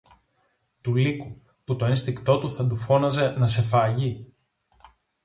του λύκου, που το ένστικτο του θα του φώναζε να σε φάγει;